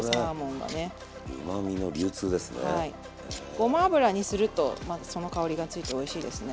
ごま油にするとまたその香りがついておいしいですね。